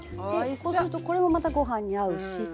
こうするとこれもまたご飯に合うし。